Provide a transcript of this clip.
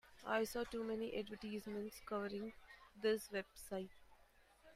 I saw too many advertisements covering this website.